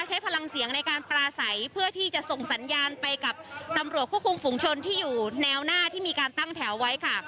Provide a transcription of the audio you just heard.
ใช้พลังเสียงในการปลาใสเพื่อที่จะส่งสัญญาณไปกับตำรวจควบคุมฝุงชนที่อยู่แนวหน้าที่มีการตั้งแถวไว้ค่ะ